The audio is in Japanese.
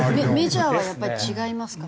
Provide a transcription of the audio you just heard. メジャーはやっぱり違いますか？